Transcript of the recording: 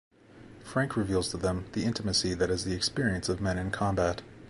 Frank reveals to them the intimacy that is the experience of men in combat.